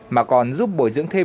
mà còn giúp bồi dưỡng thêm